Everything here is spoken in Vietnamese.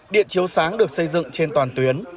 điện chiếu sáng được xây dựng trên toàn tuyến